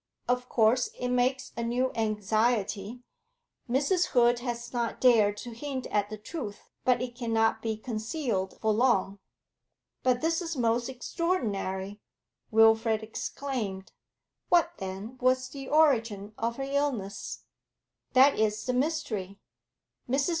Of course it makes a new anxiety. Mrs. Hood has not dared to hint at the truth, but it cannot be concealed for long.' 'But this is most extraordinary,' Wilfrid exclaimed, 'What, then, was the origin of her illness?' 'That is the mystery. Mrs.